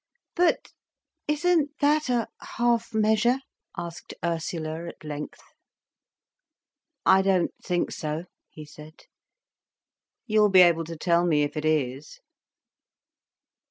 "But isn't that a half measure?" asked Ursula at length. "I don't think so," he said. "You'll be able to tell me if it is."